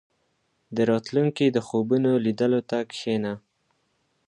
• د راتلونکي د خوبونو لیدلو ته کښېنه.